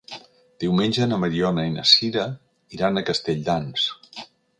Diumenge na Mariona i na Sira iran a Castelldans.